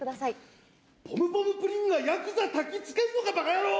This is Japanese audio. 「ポムポムプリンがヤクザたきつけんのかバカヤロー‼」。